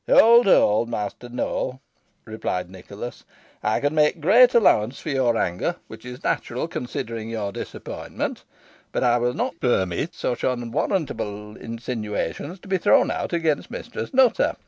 "Hold, hold, Master Nowell!" rejoined Nicholas; "I can make great allowance for your anger, which is natural considering your disappointment, but I will not permit such unwarrantable insinuations to be thrown out against Mistress Nutter.